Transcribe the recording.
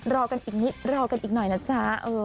รอกันอีกนิดรอกันอีกหน่อยนะจ๊ะ